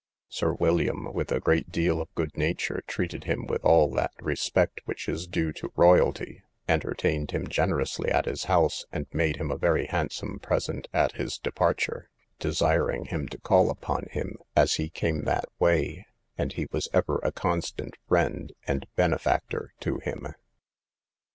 Sir William, with a great deal of good nature, treated him with all that respect which is due to royalty; entertained him generously at his house, and made him a very handsome present at his departure, desiring him to call upon him as he came that way; and he was ever a constant friend and benefactor to him.